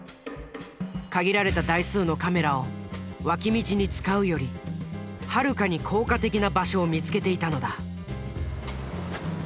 限られた台数のカメラを脇道に使うよりはるかに効果的な場所を見つけていたのだ。